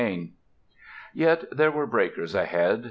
Yet there were breakers ahead!